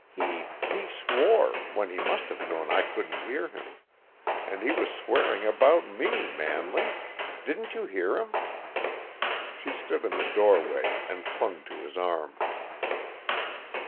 He he swore, when he must have known I could hear him; and he was swearing about me, Manley. Didn't you hear him?" She stood in the doorway and clung to his arm.